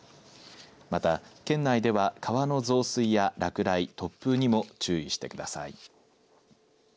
また県内では川の増水や落雷突風にも注意してください。